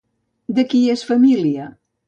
De qui és família?